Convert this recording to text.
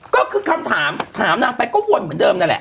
ก็คือคำถามถามนางไปก็วนเหมือนเดิมนั่นแหละ